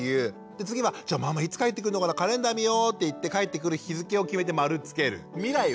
次は「じゃあママいつ帰ってくるのかなカレンダー見よう」って言って帰ってくる日付を決めて丸つける。